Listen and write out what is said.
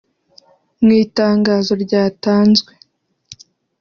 Mu itangazo ryatanzwe